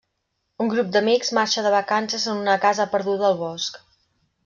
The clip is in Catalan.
Un grup d'amics marxa de vacances en una casa perduda al bosc.